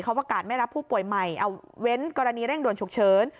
เขาประกาศไม่รับผู้ป่วยใหม่เอาเว้นกรณีเร่งด่วนฉุกเฉิน